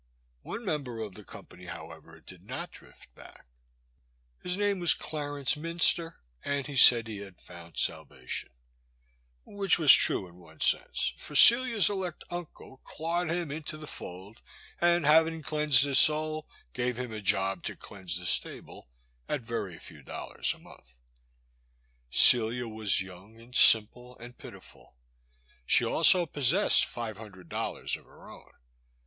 One member of the company, however, did not drift back. His 244 '^f^ Boys Sister. name was Clarence Minster and he said he had found salvation, which was true in one sense, for Celia's elect uncle clawed him into the fold and having cleansed his soul, gave him a job to cleanse the stable at very few dollars a month. Celia was young and simple and pitiful. She also possessed five hundred dollars of her own.